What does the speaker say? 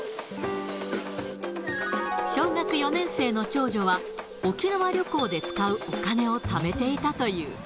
小学４年生の長女は、沖縄旅行で使うお金をためていたという。